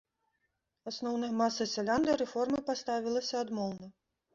Асноўная маса сялян да рэформы паставілася адмоўна.